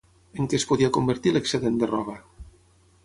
En què es podia convertir l'excedent de roba?